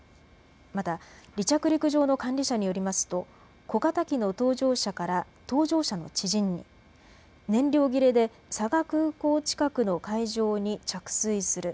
また、離着陸場の管理者によりますと小型機の搭乗者から搭乗者の知人に燃料切れで佐賀空港近くの海上に着水する。